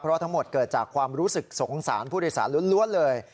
เพราะทั้งหมดเกิดจากความรู้สึกสงสารผู้โดยสารล้วนเลย